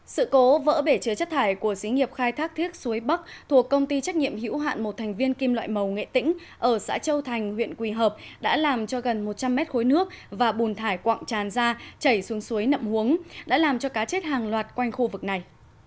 sự cố vỡ bể chứa chất thải của xí nghiệp khai thác thiết suối bắc thuộc công ty trách nhiệm hữu hạn một thành viên kim loại màu nghệ tĩnh ở xã châu thành huyện quỳ hợp đã làm cho gần một trăm linh mét khối nước và bùn thải quặng tràn ra chảy xuống suối nậm hướng đã làm cho cá chết hàng loạt quanh khu vực này